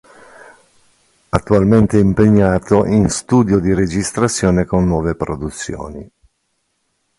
Attualmente impegnato in studio di registrazione con nuove produzioni.